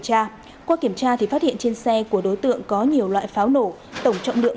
tra qua kiểm tra thì phát hiện trên xe của đối tượng có nhiều loại pháo nổ tổng trọng lượng